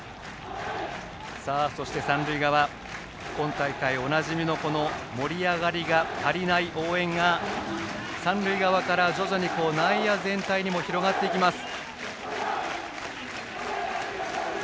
そして、三塁側今大会おなじみの盛り上がりが足りない応援が三塁側から徐々に内野全体にも広がっていきます。